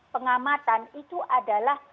pengamatan itu adalah